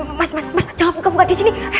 eh mas mas mas jangan buka buka disini